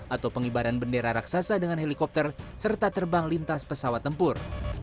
atau pengibaran bendera raksasa dengan helikopter serta terbang lintas pesawat tempur